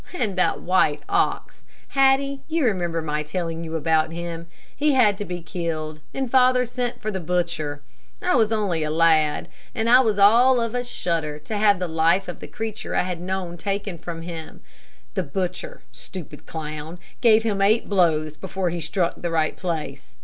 And that white ox, Hattie you remember my telling you about him. He had to be killed, and father sent for the butcher, I was only a lad, and I was all of a shudder to have the life of the creature I had known taken from him. The butcher, stupid clown, gave him eight blows before he struck the right place.